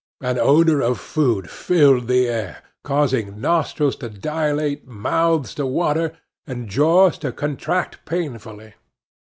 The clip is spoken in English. An odor of food filled the air, causing nostrils to dilate, mouths to water, and jaws to contract painfully.